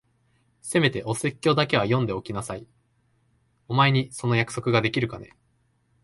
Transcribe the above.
せめてお説教だけは読んでおきなさい。お前にその約束ができるかね？